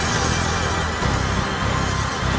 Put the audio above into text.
untuk lu tidak jadi apa apa